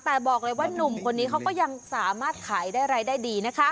แต่บอกเลยว่านุ่มคนนี้เขาก็ยังสามารถขายได้รายได้ดีนะคะ